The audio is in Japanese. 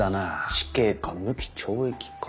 死刑か無期懲役か。